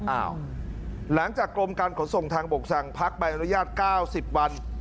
หลังจากกรมการขนส่งทางบกสั่งพักใบอนุญาต๙๐วัน